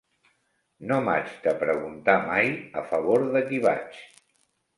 No m'haig de preguntar mai a favor de qui vaig.